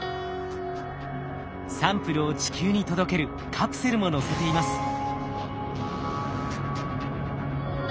サンプルを地球に届けるカプセルも載せています。